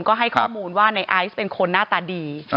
ก็ให้ข้อมูลว่าในไอซ์เป็นคนหน้าตาดี